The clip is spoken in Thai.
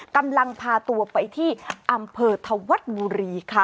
กำลังพาตัวไปที่อำเภอธวัฒน์บุรีค่ะ